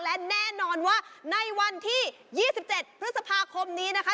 และแน่นอนว่าในวันที่๒๗พฤษภาคมนี้นะคะ